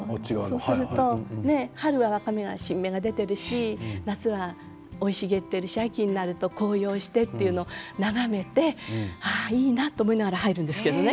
すると春は新芽が出ているし夏は生い茂っているし秋になると紅葉してというのを眺めていいなと思いながら入るんですけれどもね。